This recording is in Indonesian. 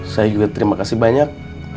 saya juga terima kasih banyak